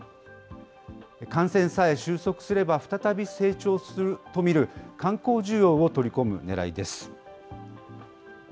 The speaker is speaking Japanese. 感染さえ収束すれば、再び成長すると見る観光需要を取り込むねらいです。